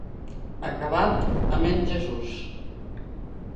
Acabat, amén Jesús.